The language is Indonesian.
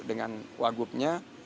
dan kita bisa menjaga kebaikan